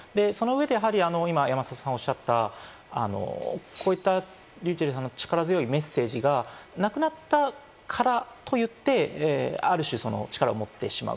その上で山里さんが今おっしゃった、こういったｒｙｕｃｈｅｌｌさんの力強いメッセージが、亡くなったからといって、ある種、力を持ってしまう。